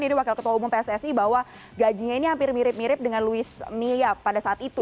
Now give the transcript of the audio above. jadi wakil ketua umum pssi bahwa gajinya ini hampir mirip mirip dengan louis mya pada saat itu